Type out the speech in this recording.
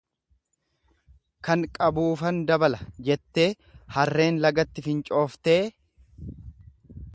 Kan qabuufan dabala jette harreen lagatti fincooftee.